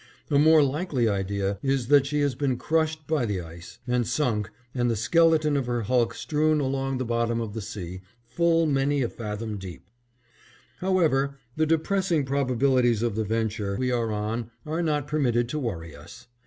A more likely idea is that she has been crushed by the ice, and sunk, and the skeleton of her hulk strewn along the bottom of the sea, full many a fathom deep. However, the depressing probabilities of the venture we are on are not permitted to worry us.